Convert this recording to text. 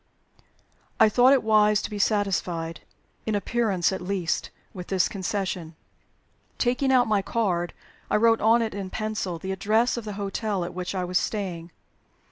I thought it wise to be satisfied in appearance at least with this concession. Taking out my card, I wrote on it in pencil the address of the hotel at which I was staying.